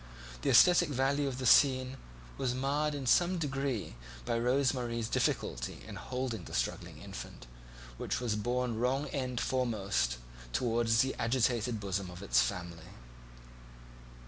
The aesthetic value of the scene was marred in some degree by Rose Marie's difficulty in holding the struggling infant, which was borne wrong end foremost towards the agitated bosom of its family.